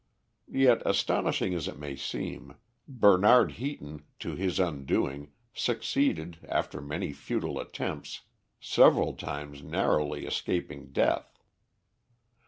Yet, astonishing as it may seem, Bernard Heaton, to his undoing, succeeded, after many futile attempts, several times narrowly escaping death.